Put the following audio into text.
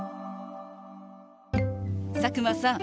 佐久間さん